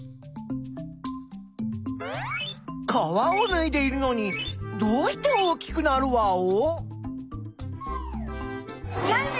皮をぬいでいるのにどうして大きくなるワオ？